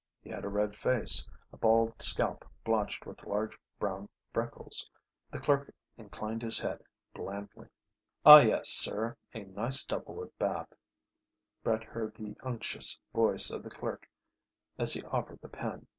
He had a red face, a bald scalp blotched with large brown freckles. The clerk inclined his head blandly. "Ah, yes, sir, a nice double with bath ..." Brett heard the unctuous voice of the clerk as he offered the pen.